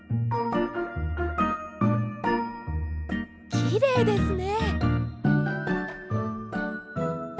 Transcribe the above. きれいですね。